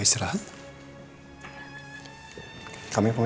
tidak ada apa apa